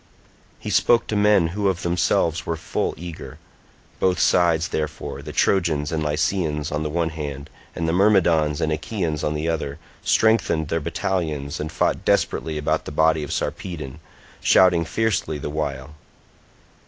He spoke to men who of themselves were full eager; both sides, therefore, the Trojans and Lycians on the one hand, and the Myrmidons and Achaeans on the other, strengthened their battalions, and fought desperately about the body of Sarpedon, shouting fiercely the while.